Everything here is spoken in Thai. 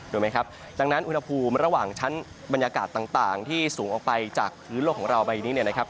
รู้ไหมครับดังนั้นอุณหภูมิระหว่างชั้นบรรยากาศต่างที่สูงออกไปจากพื้นโลกของเราใบนี้เนี่ยนะครับ